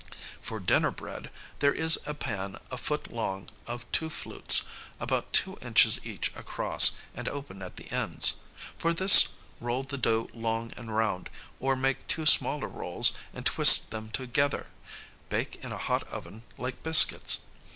For dinner bread, there is a pan a foot long of two flutes, about two inches each across and open at the ends; for this roll the dough long and round, or make two smaller rolls and twist them together; bake in a hot oven like biscuits.